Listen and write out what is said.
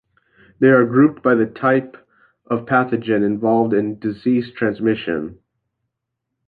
They are grouped by the type of pathogen involved in disease transmission.